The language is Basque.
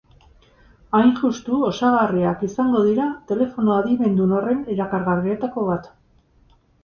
Hain justu, osagarriak izango dira telefono adimendun horren erakargarrietako bat.